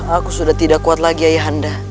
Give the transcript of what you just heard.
aku sudah tidak kuat lagi ayahanda